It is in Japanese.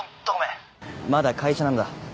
まだ会社なんだ。